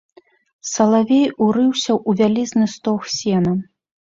Салавей урыўся ў вялізны стог сена.